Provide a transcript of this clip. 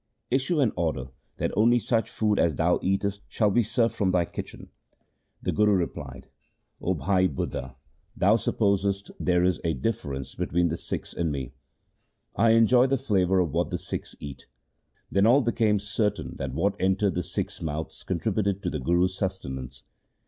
Issue an order that only such food as thou eatest shall be served from thy kitchen.' The Guru replied, ' O Bhai LIFE OF GURU AMAR DAS 139 Budha, thou supposest there is a difference between the Sikhs and me. I enjoy the flavour of what the Sikhs eat.' Then all became certain that what entered the Sikhs' mouths contributed to the Guru's sus tenance.